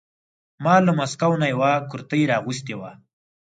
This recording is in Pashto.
ما له مسکو نه یوه کرتۍ را اغوستې وه.